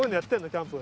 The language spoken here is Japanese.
キャンプ。